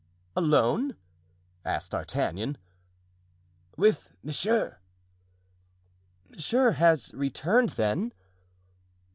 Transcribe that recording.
"Alone?" asked D'Artagnan. "With monsieur." "Monsieur has returned, then?"